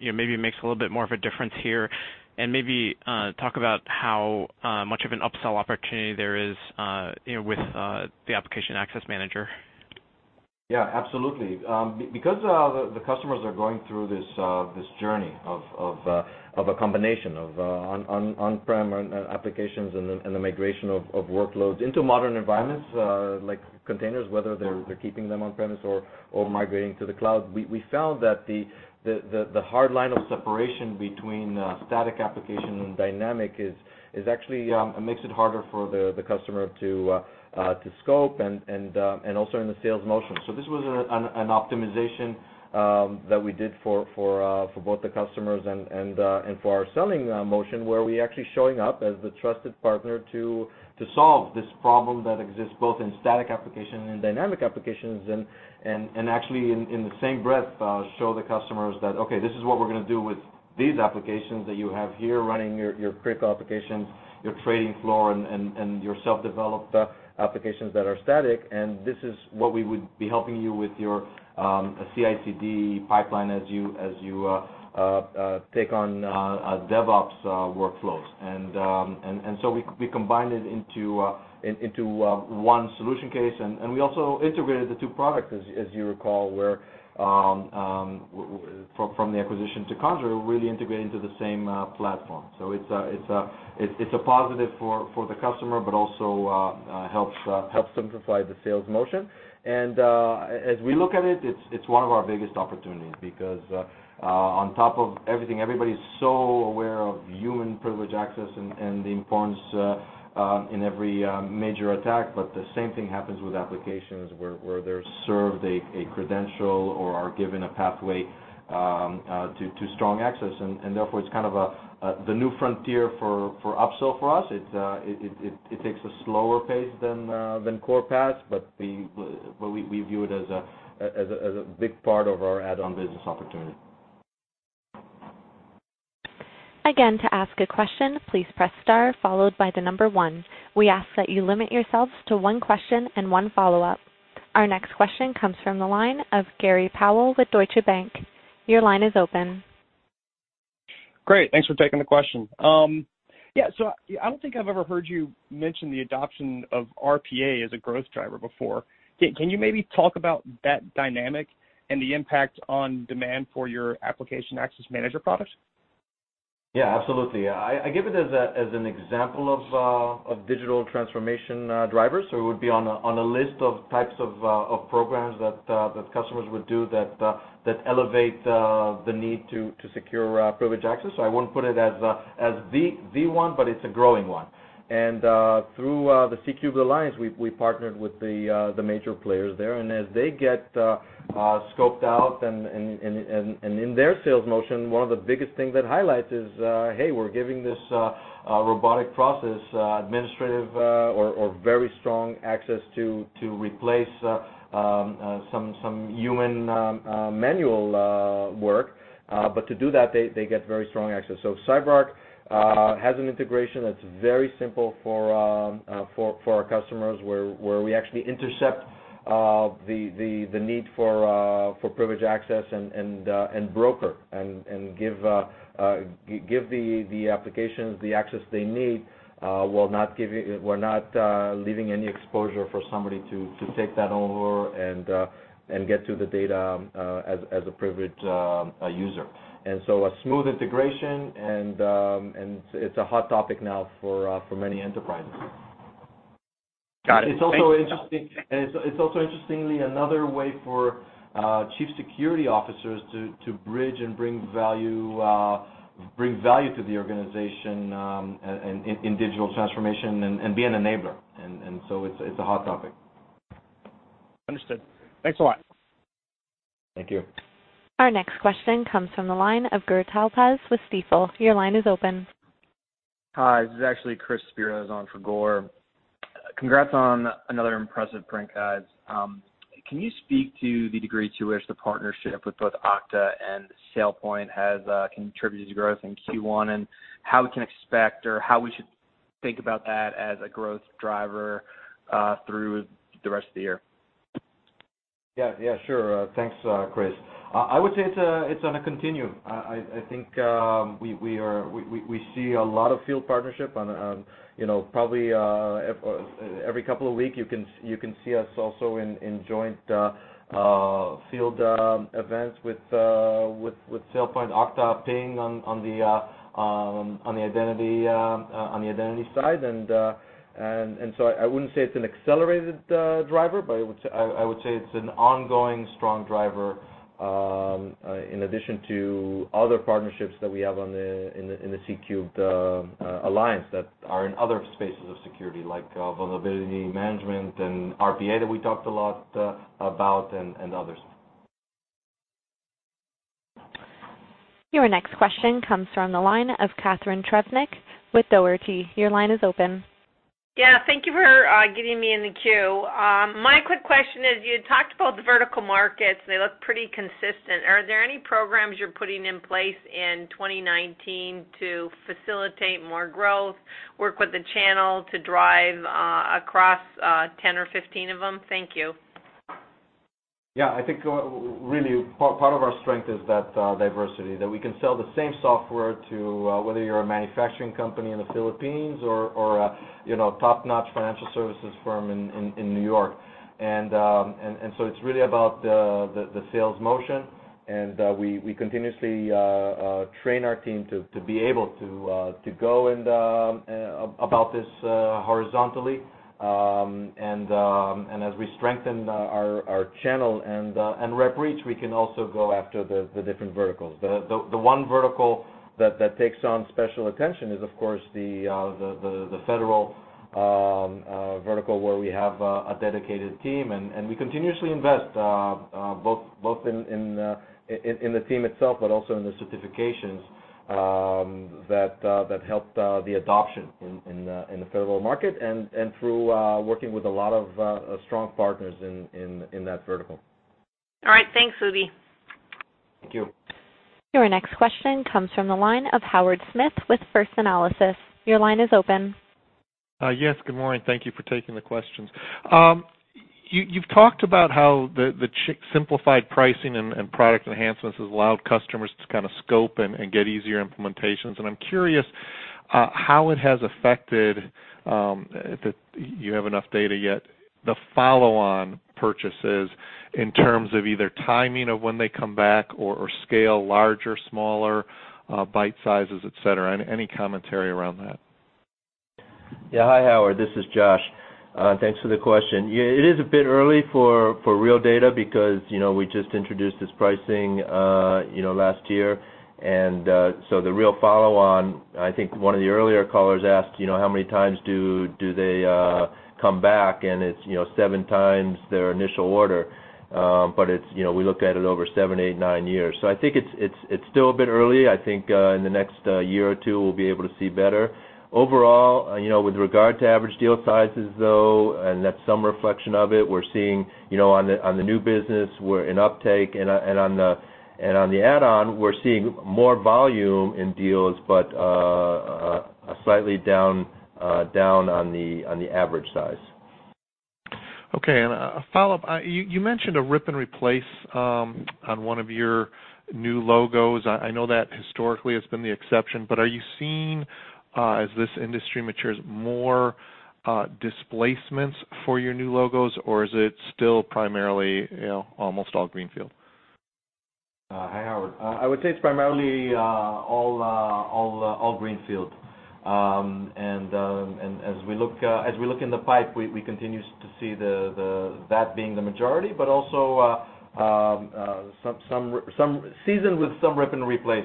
maybe makes a little bit more of a difference here? Maybe talk about how much of an upsell opportunity there is with the Application Access Manager. Yeah, absolutely. Because the customers are going through this journey of a combination of on-prem applications and the migration of workloads into modern environments like containers, whether they're keeping them on premise or migrating to the cloud, we found that the hard line of separation between static application and dynamic actually makes it harder for the customer to scope and also in the sales motion. This was an optimization that we did for both the customers and for our selling motion, where we actually showing up as the trusted partner to solve this problem that exists both in static application and dynamic applications, actually in the same breath, show the customers that, okay, this is what we're going to do with these applications that you have here running your critical applications, your trading floor, and your self-developed applications that are static, and this is what we would be helping you with your CI/CD pipeline as you take on DevOps workflows. We combined it into one solution case, and we also integrated the two products, as you recall, from the acquisition to Conjur, really integrated into the same platform. It's a positive for the customer, but also helps simplify the sales motion. As we look at it's one of our biggest opportunities because, on top of everything, everybody's so aware of human privilege access and the importance in every major attack. The same thing happens with applications where they're served a credential or are given a pathway to strong access, and therefore it's the new frontier for upsell for us. It takes a slower pace than Core PAS, we view it as a big part of our add-on business opportunity. Again, to ask a question, please press star followed by the number 1. We ask that you limit yourselves to one question and one follow-up. Our next question comes from the line of Gur Talpaz with Deutsche Bank. Your line is open. Great. Thanks for taking the question. Yeah. I don't think I've ever heard you mention the adoption of RPA as a growth driver before. Can you maybe talk about that dynamic and the impact on demand for your Application Access Manager product? Yeah, absolutely. I give it as an example of digital transformation drivers. It would be on a list of types of programs that customers would do that elevate the need to secure privilege access. I wouldn't put it as the one, but it's a growing one. Through the C³ Alliance, we partnered with the major players there, and as they get scoped out and in their sales motion, one of the biggest things that highlights is, hey, we're giving this robotic process administrative or very strong access to replace some human manual work. To do that, they get very strong access. CyberArk has an integration that's very simple for our customers, where we actually intercept the need for privilege access and broker and give the applications the access they need while not leaving any exposure for somebody to take that over and get to the data as a privileged user. A smooth integration, and it's a hot topic now for many enterprises. Got it. Thank you. It's also interestingly another way for chief security officers to bridge and bring value to the organization in digital transformation and being an enabler. It's a hot topic. Understood. Thanks a lot. Thank you. Our next question comes from the line of Gur Talpaz with Stifel. Your line is open. Hi, this is actually Chris Prassas on for Gur. Congrats on another impressive print, guys. Can you speak to the degree to which the partnership with both Okta and SailPoint has contributed to growth in Q1, and how we can expect or how we should think about that as a growth driver through the rest of the year? Yeah. Sure. Thanks, Chris. I would say it's on a continuum. I think we see a lot of field partnership on probably every couple of weeks you can see us also in joint field events with SailPoint, Okta, Ping on the identity side. I wouldn't say it's an accelerated driver, but I would say it's an ongoing strong driver, in addition to other partnerships that we have in the C³ Alliance that are in other spaces of security, like vulnerability management and RPA, that we talked a lot about, and others. Your next question comes from the line of Kathryn Trevick with Dougherty. Your line is open. Yeah, thank you for getting me in the queue. My quick question is, you had talked about the vertical markets, and they look pretty consistent. Are there any programs you're putting in place in 2019 to facilitate more growth, work with the channel to drive across 10 or 15 of them? Thank you. Yeah, I think really part of our strength is that diversity. That we can sell the same software to whether you're a manufacturing company in the Philippines or a top-notch financial services firm in New York. It's really about the sales motion, and we continuously train our team to be able to go about this horizontally. As we strengthen our channel and rep reach, we can also go after the different verticals. The one vertical that takes on special attention is, of course, the federal vertical, where we have a dedicated team, and we continuously invest both in the team itself but also in the certifications that helped the adoption in the federal market, and through working with a lot of strong partners in that vertical. All right. Thanks, Udi. Thank you. Your next question comes from the line of Howard Smith with First Analysis. Your line is open. Yes, good morning. Thank you for taking the questions. You've talked about how the simplified pricing and product enhancements has allowed customers to kind of scope and get easier implementations, and I'm curious how it has affected, if you have enough data yet, the follow-on purchases in terms of either timing of when they come back or scale larger, smaller bite sizes, et cetera. Any commentary around that? Hi, Howard. This is Josh. Thanks for the question. It is a bit early for real data because we just introduced this pricing last year. The real follow-on, I think one of the earlier callers asked how many times do they come back, and it's seven times their initial order. We look at it over seven, eight, nine years. I think it's still a bit early. I think in the next year or two, we'll be able to see better. Overall, with regard to average deal sizes, though, that's some reflection of it, we're seeing on the new business, we're in uptake. On the add-on, we're seeing more volume in deals but a- Slightly down on the average size. Okay. A follow-up, you mentioned a rip and replace on one of your new logos. I know that historically has been the exception, are you seeing, as this industry matures, more displacements for your new logos, or is it still primarily almost all greenfield? Hi, Howard. I would say it's primarily all greenfield. As we look in the pipe, we continue to see that being the majority, also seasoned with some rip and replace,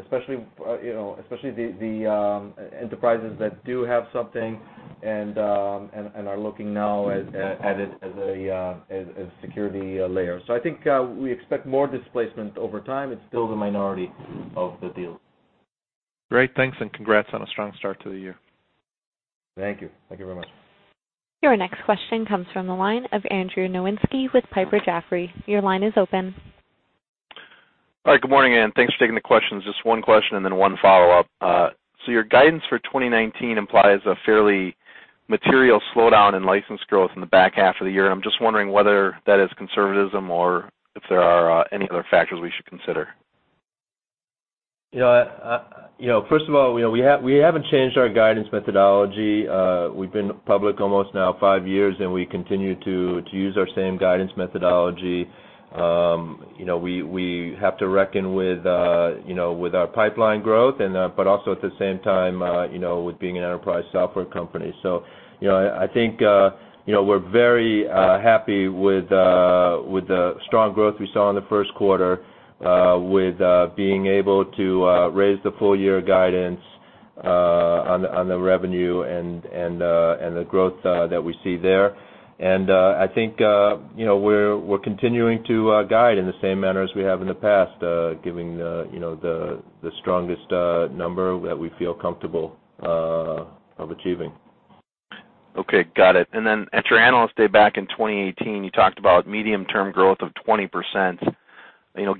especially the enterprises that do have something and are looking now at it as a security layer. I think we expect more displacement over time. It's still the minority of the deals. Great. Thanks, and congrats on a strong start to the year. Thank you. Thank you very much. Your next question comes from the line of Andrew Nowinski with Piper Jaffray. Your line is open. Hi, good morning, and thanks for taking the questions. Just one question and then one follow-up. Your guidance for 2019 implies a fairly material slowdown in license growth in the back half of the year. I'm just wondering whether that is conservatism or if there are any other factors we should consider. First of all, we haven't changed our guidance methodology. We've been public almost now five years, we continue to use our same guidance methodology. We have to reckon with our pipeline growth, but also at the same time, with being an enterprise software company. I think we're very happy with the strong growth we saw in the first quarter, with being able to raise the full-year guidance on the revenue and the growth that we see there. I think we're continuing to guide in the same manner as we have in the past, giving the strongest number that we feel comfortable of achieving. Okay, got it. At your Analyst Day back in 2018, you talked about medium-term growth of 20%.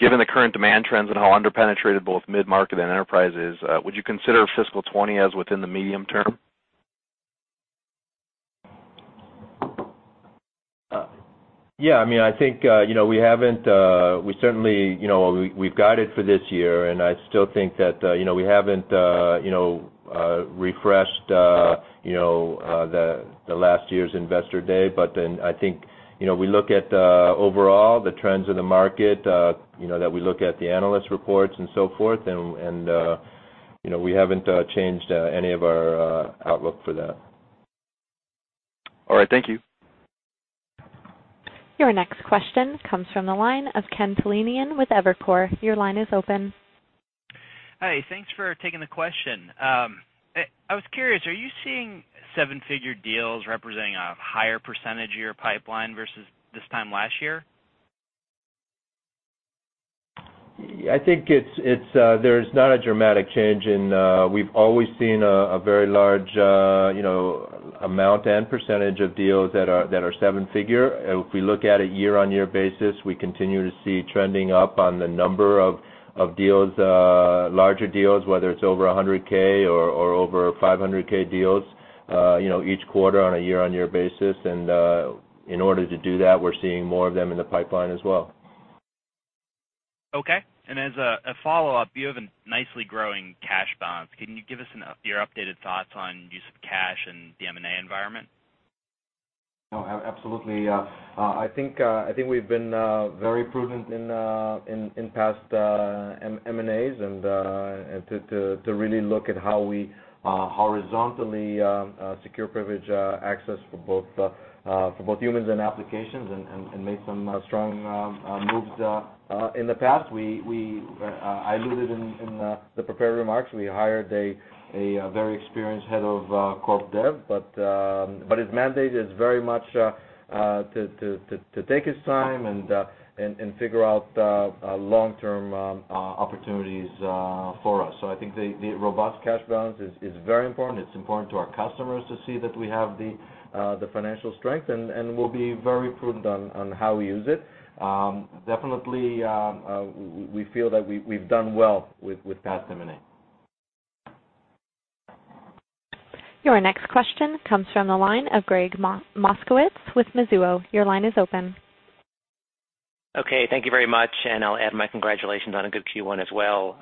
Given the current demand trends and how under-penetrated both mid-market and enterprise is, would you consider fiscal 2020 as within the medium term? Yeah, we've guided for this year, I still think that we haven't refreshed the last year's Investor Day. I think we look at overall the trends in the market, that we look at the analyst reports and so forth, we haven't changed any of our outlook for that. All right. Thank you. Your next question comes from the line of Ken Talanian with Evercore. Your line is open. Hi. Thanks for taking the question. I was curious, are you seeing seven-figure deals representing a higher % of your pipeline versus this time last year? I think there's not a dramatic change. We've always seen a very large amount and % of deals that are seven-figure. If we look at a year-over-year basis, we continue to see trending up on the number of deals, larger deals, whether it's over $100K or over $500K deals, each quarter on a year-over-year basis. In order to do that, we're seeing more of them in the pipeline as well. Okay. As a follow-up, you have a nicely growing cash balance. Can you give us your updated thoughts on use of cash and the M&A environment? Absolutely. I think we've been very prudent in past M&As, to really look at how we horizontally secure privileged access for both humans and applications and made some strong moves in the past. I alluded in the prepared remarks, we hired a very experienced head of corp dev. His mandate is very much to take his time and figure out long-term opportunities for us. I think the robust cash balance is very important. It's important to our customers to see that we have the financial strength. We'll be very prudent on how we use it. Definitely, we feel that we've done well with past M&A. Your next question comes from the line of Gregg Moskowitz with Mizuho. Your line is open. Okay. Thank you very much. I'll add my congratulations on a good Q1 as well.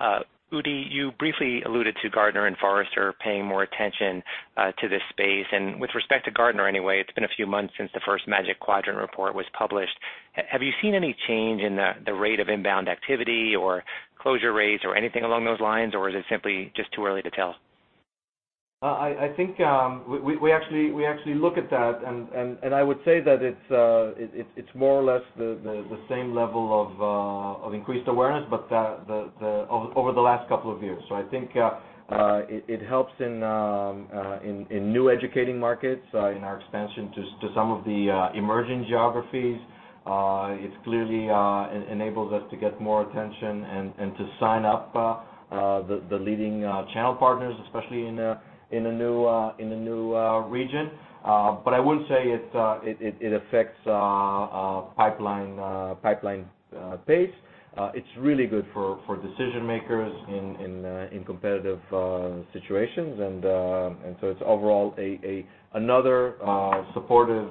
Udi, you briefly alluded to Gartner and Forrester paying more attention to this space. With respect to Gartner anyway, it's been a few months since the first Magic Quadrant report was published. Have you seen any change in the rate of inbound activity or closure rates or anything along those lines, or is it simply just too early to tell? I think we actually look at that. I would say that it's more or less the same level of increased awareness, over the last couple of years. I think it helps in new educating markets, in our expansion to some of the emerging geographies. It clearly enables us to get more attention to sign up the leading channel partners, especially in the new region. I wouldn't say it affects pipeline pace. It's really good for decision-makers in competitive situations. It's overall another supportive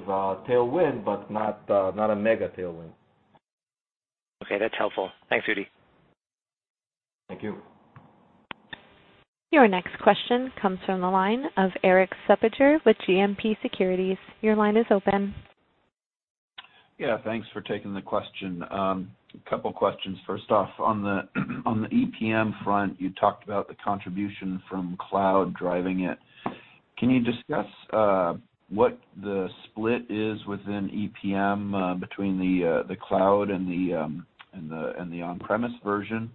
tailwind, not a mega tailwind. Okay, that's helpful. Thanks, Udi. Thank you. Your next question comes from the line of Eric Sepedur with GMP Securities. Your line is open. Yeah, thanks for taking the question. A couple questions. First off, on the EPM front, you talked about the contribution from cloud driving it. Can you discuss what the split is within EPM between the cloud and the on-premise version?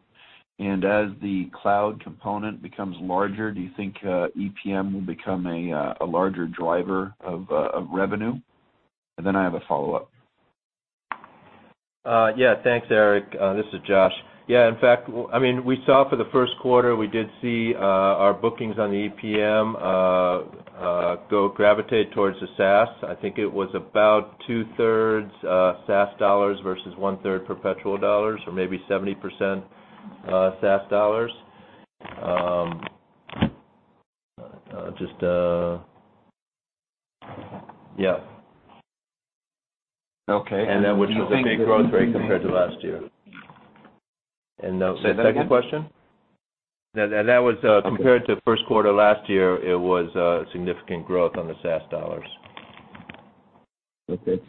As the cloud component becomes larger, do you think EPM will become a larger driver of revenue? Then I have a follow-up. Thanks, Eric. This is Josh. In fact, we saw for the first quarter, we did see our bookings on the EPM gravitate towards the SaaS. I think it was about two-thirds SaaS dollars versus one-third perpetual dollars, or maybe 70% SaaS dollars. Okay. Which was a big growth rate compared to last year. Say that again? Second question? That was compared to first quarter last year, it was a significant growth on the SaaS dollars. Okay.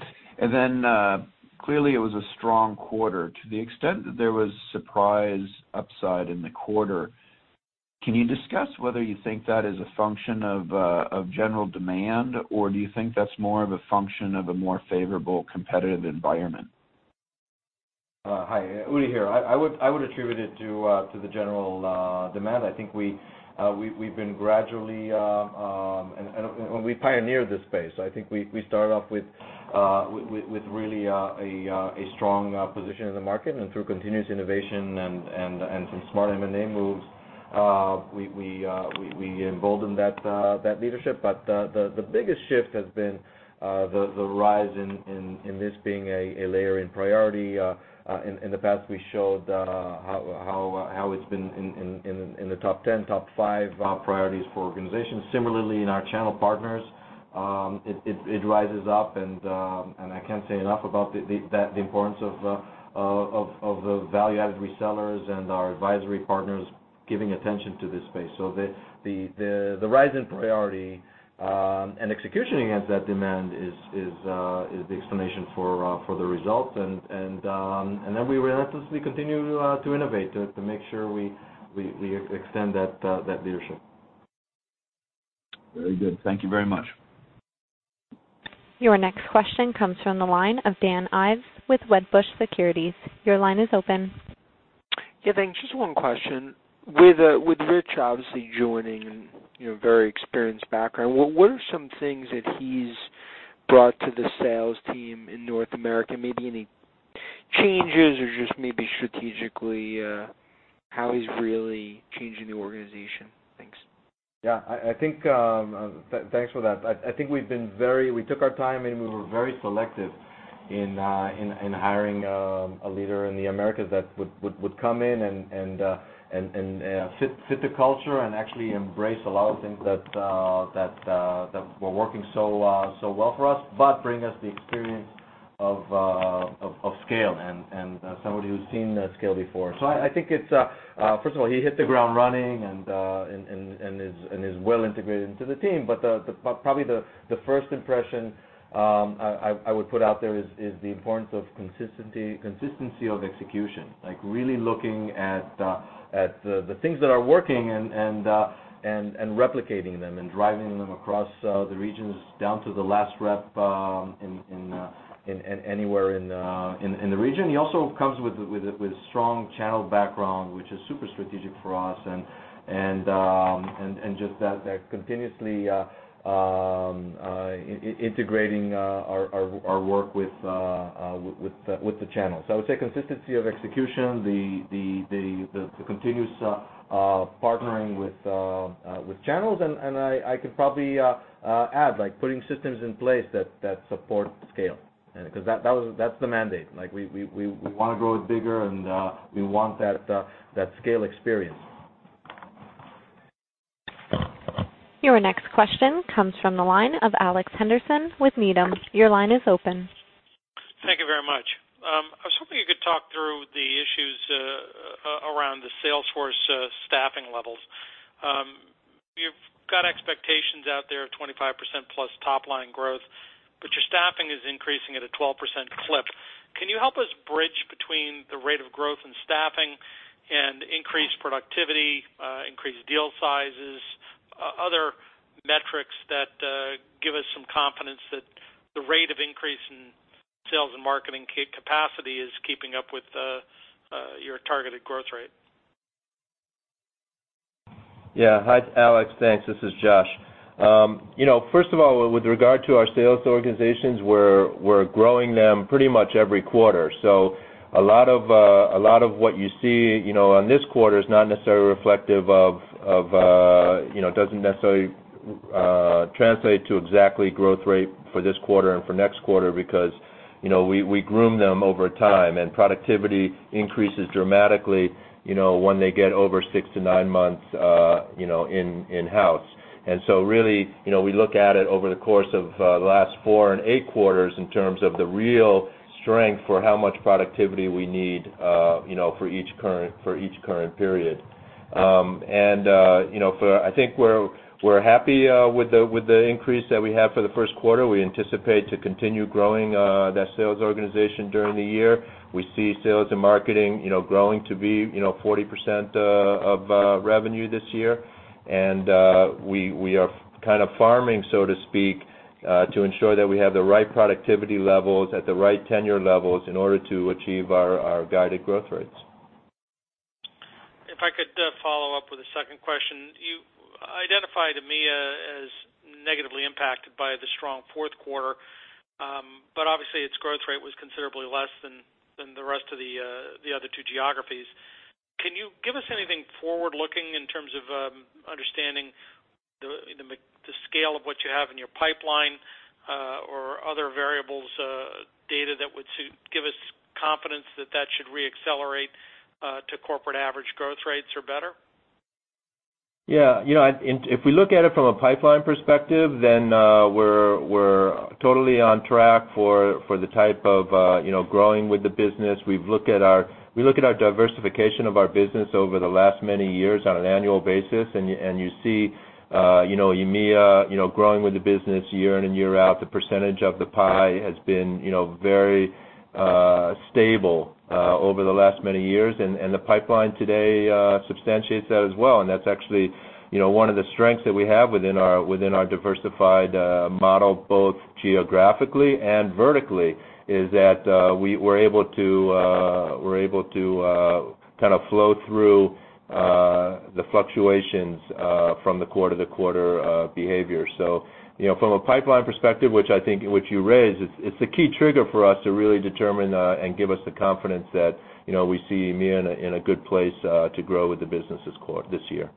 Clearly, it was a strong quarter. To the extent that there was surprise upside in the quarter, can you discuss whether you think that is a function of general demand, or do you think that's more of a function of a more favorable competitive environment? Hi, Udi here. I would attribute it to the general demand. We pioneered this space. I think we started off with really a strong position in the market, and through continuous innovation and some smart M&A moves, we emboldened that leadership. The biggest shift has been the rise in this being a layer in priority. In the past, we showed how it's been in the top 10, top five priorities for organizations. Similarly, in our channel partners, it rises up, and I can't say enough about the importance of the value-added resellers and our advisory partners giving attention to this space. The rise in priority and execution against that demand is the explanation for the results. We relentlessly continue to innovate to make sure we extend that leadership. Very good. Thank you very much. Your next question comes from the line of Dan Ives with Wedbush Securities. Your line is open. Yeah, thanks. Just one question. With Rich obviously joining, very experienced background, what are some things that he's brought to the sales team in North America? Maybe any changes or just maybe strategically how he's really changing the organization? Thanks. Yeah. Thanks for that. I think we took our time, we were very selective in hiring a leader in the Americas that would come in and fit the culture and actually embrace a lot of things that were working so well for us, bring us the experience of scale and somebody who's seen that scale before. I think, first of all, he hit the ground running and is well integrated into the team. Probably the first impression I would put out there is the importance of consistency of execution. Really looking at the things that are working and replicating them and driving them across the regions down to the last rep anywhere in the region. He also comes with a strong channel background, which is super strategic for us, and just that continuously integrating our work with the channels. I would say consistency of execution, the continuous partnering with channels, and I could probably add, putting systems in place that support scale. Because that's the mandate. We want to grow bigger, and we want that scale experience. Your next question comes from the line of Alex Henderson with Needham. Your line is open. Thank you very much. I was hoping you could talk through the issues around the Salesforce staffing levels. You've got expectations out there of 25%-plus top-line growth, but your staffing is increasing at a 12% clip. Can you help us bridge between the rate of growth in staffing and increased productivity, increased deal sizes, other metrics that give us some confidence that the rate of increase in sales and marketing capacity is keeping up with your targeted growth rate? Yeah. Hi, Alex, thanks. This is Josh. First of all, with regard to our sales organizations, we're growing them pretty much every quarter. A lot of what you see on this quarter doesn't necessarily translate to exactly growth rate for this quarter and for next quarter because we groom them over time, and productivity increases dramatically when they get over six to nine months in-house. Really, we look at it over the course of the last four and eight quarters in terms of the real strength for how much productivity we need for each current period. I think we're happy with the increase that we have for the first quarter. We anticipate to continue growing that sales organization during the year. We see sales and marketing growing to be 40% of revenue this year. We are kind of farming, so to speak, to ensure that we have the right productivity levels at the right tenure levels in order to achieve our guided growth rates. If I could follow up with a second question. You identified EMEA as negatively impacted by the strong fourth quarter, but obviously, its growth rate was considerably less than the rest of the other two geographies. Can you give us anything forward-looking in terms of understanding the scale of what you have in your pipeline or other variables, data that would give us confidence that that should re-accelerate to corporate average growth rates or better? Yeah. If we look at it from a pipeline perspective, we're totally on track for the type of growing with the business. We've looked at our diversification of our business over the last many years on an annual basis, and you see EMEA growing with the business year in and year out. The percentage of the pie has been very stable over the last many years. The pipeline today substantiates that as well, and that's actually one of the strengths that we have within our diversified model, both geographically and vertically, is that we're able to kind of flow through the fluctuations from the quarter-to-quarter behavior. From a pipeline perspective, which I think you raised, it's a key trigger for us to really determine and give us the confidence that we see EMEA in a good place to grow with the business this year.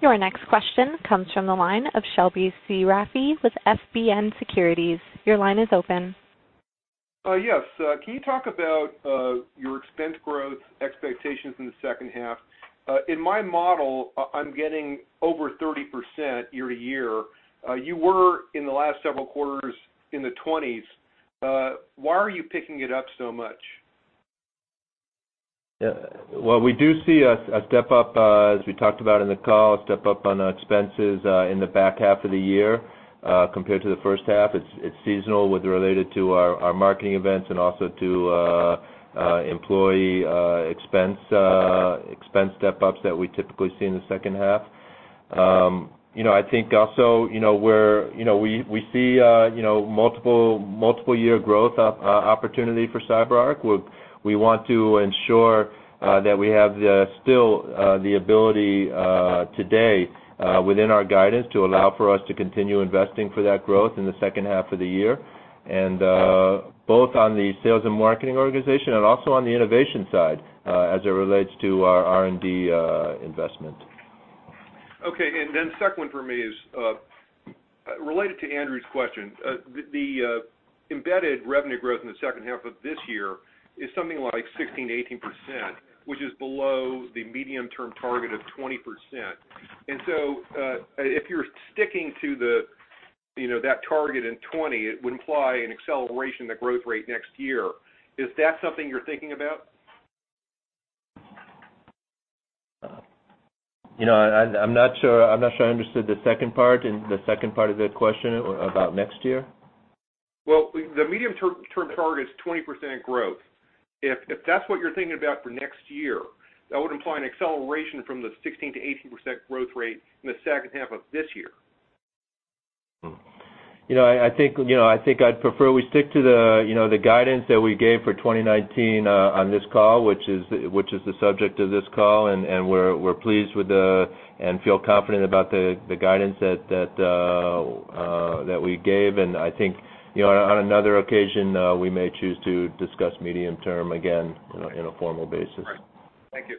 Your next question comes from the line of Shebly Seyrafi with FBN Securities. Your line is open. Yes. Can you talk about your expense growth expectations in the second half? In my model, I'm getting over 30% year-to-year. You were, in the last several quarters, in the 20s. Why are you picking it up so much? Well, we do see a step-up, as we talked about in the call, a step-up on expenses in the back half of the year compared to the first half. It's seasonal with related to our marketing events and also to employee expense step-ups that we typically see in the second half. I think also, we see multiple-year growth opportunity for CyberArk. We want to ensure that we have still the ability today within our guidance to allow for us to continue investing for that growth in the second half of the year, both on the sales and marketing organization and also on the innovation side as it relates to our R&D investment. Okay. Second one for me is related to Andrew's question. The embedded revenue growth in the second half of this year is something like 16%-18%, which is below the medium-term target of 20%. If you're sticking to that target in 20, it would imply an acceleration of the growth rate next year. Is that something you're thinking about? I'm not sure I understood the second part of the question about next year. Well, the medium-term target is 20% growth. If that's what you're thinking about for next year, that would imply an acceleration from the 16%-18% growth rate in the second half of this year. I think I'd prefer we stick to the guidance that we gave for 2019 on this call, which is the subject of this call. We're pleased with and feel confident about the guidance that we gave. I think on another occasion, we may choose to discuss medium term again in a formal basis. Thank you.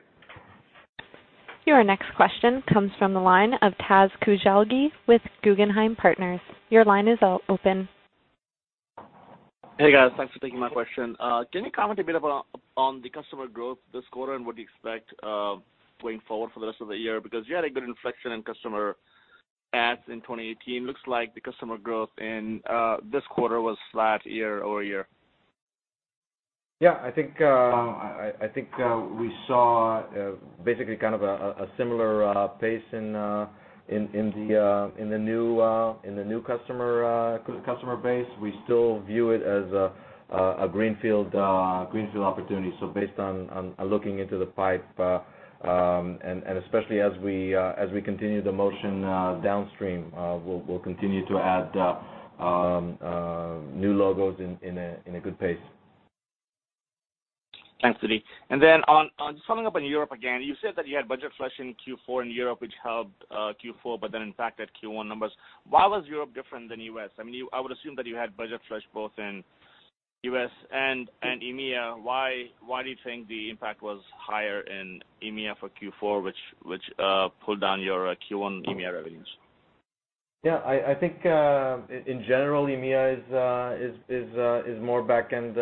Your next question comes from the line of Taz Koujalgi with Guggenheim Partners. Your line is open. Hey, guys. Thanks for taking my question. Can you comment a bit on the customer growth this quarter and what you expect going forward for the rest of the year? You had a good inflection in customer adds in 2018. Looks like the customer growth in this quarter was flat year-over-year. Yeah, I think we saw a similar pace in the new customer base. We still view it as a greenfield opportunity. Based on looking into the pipe, and especially as we continue the motion downstream, we'll continue to add new logos in a good pace. Thanks, Udi. Following up on Europe again, you said that you had budget flush in Q4 in Europe, which helped Q4, impacted Q1 numbers. Why was Europe different than U.S.? I would assume that you had budget flush both in U.S. and EMEA. Why do you think the impact was higher in EMEA for Q4, which pulled down your Q1 EMEA revenues? I think, in general, EMEA is more back-end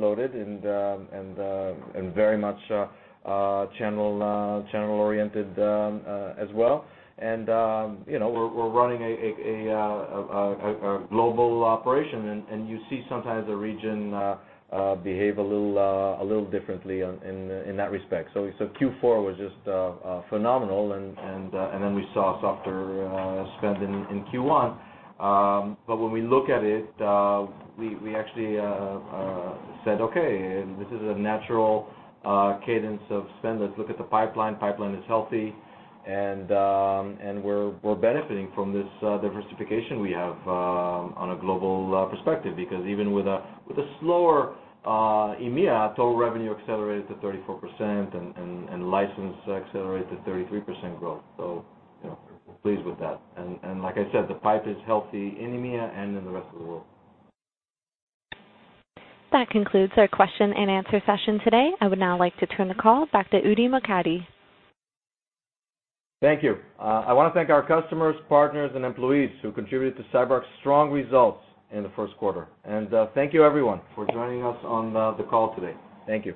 loaded and very much channel-oriented as well. We're running a global operation, you see sometimes a region behave a little differently in that respect. Q4 was just phenomenal, we saw softer spend in Q1. When we look at it, we actually said, "Okay, this is a natural cadence of spend. Let's look at the pipeline. Pipeline is healthy, and we're benefiting from this diversification we have on a global perspective." Because even with a slower EMEA, total revenue accelerated to 34% and license accelerated to 33% growth. We're pleased with that. Like I said, the pipe is healthy in EMEA and in the rest of the world. That concludes our question and answer session today. I would now like to turn the call back to Udi Mokady. Thank you. I want to thank our customers, partners, and employees who contributed to CyberArk's strong results in the first quarter. Thank you, everyone, for joining us on the call today. Thank you.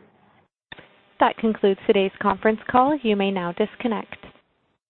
That concludes today's conference call. You may now disconnect.